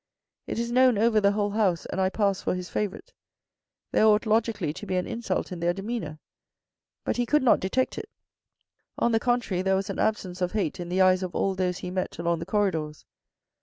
It is known over the whole house, and I pass for his favourite. There ought logically to be an insult in their demeanour." But he could not detect it. On the contrary, there was an absence of hate in the eyes of all those he met along the corridors.